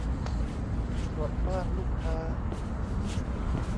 ตรวจบ้านลูกค้า